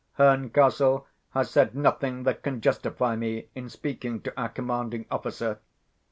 Herncastle has said nothing that can justify me in speaking to our commanding officer.